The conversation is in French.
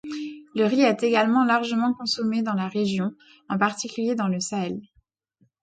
Le riz est également largement consommé dans la région, en particulier dans le Sahel.